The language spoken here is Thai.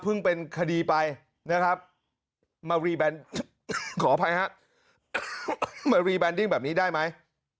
พึ่งเป็นคดีไปมาเรียนพันธุ์แบมพ์แบบนี้ได้ไหม